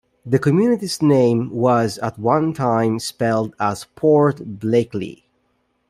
The community's name was at one time spelled as Port Blakeley.